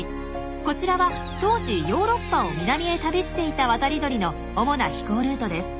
こちらは当時ヨーロッパを南へ旅していた渡り鳥の主な飛行ルートです。